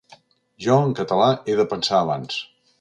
Jo en català he de pensar abans.